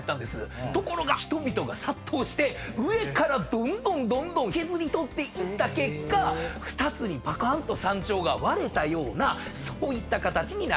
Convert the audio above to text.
ところが人々が殺到して上からどんどんどんどん削り取っていった結果２つにパカーンと山頂が割れたようなそういった形になってるっていうような。